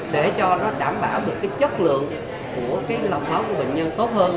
để cho nó đảm bảo được chất lượng của lọc máu của bệnh nhân tốt hơn